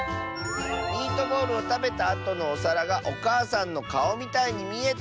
「ミートボールをたべたあとのおさらがおかあさんのかおみたいにみえた！」。